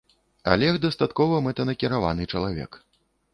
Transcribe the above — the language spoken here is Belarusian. Алег дастаткова мэтанакіраваны чалавек.